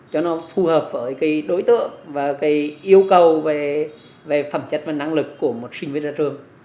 cho nó phù hợp với cái đối tượng và cái yêu cầu về phẩm chất và năng lực của một sinh viên ra trường